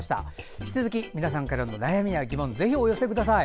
引き続き皆さんからのお悩みや疑問ぜひお寄せください。